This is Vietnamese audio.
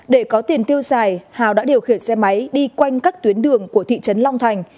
để có tiền tiêu xài hà đã điều khiển xe máy đi quanh các tuyến đường của thị trấn long thành